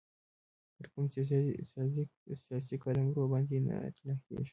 پر کوم سیاسي قلمرو باندي نه اطلاقیږي.